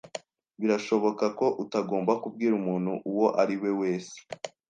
Birashoboka ko utagomba kubwira umuntu uwo ari we wese.